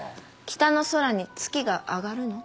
北の空に月が上がるの？